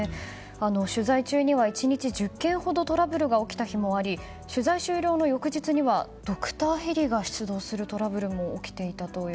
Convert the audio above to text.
取材中には１日１０件ほどトラブルが起きた日もあり取材終了の翌日にはドクターヘリが出動するトラブルも起きていた